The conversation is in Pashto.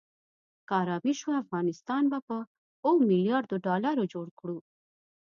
که آرامي شوه افغانستان به په اوو ملیاردو ډالرو جوړ کړو.